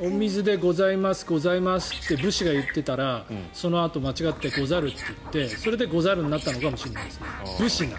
お水でございますございますって武士が言っていたら、そのあと間違って「ござる」って言ってそれで「ござる」になったのかもしれないですね。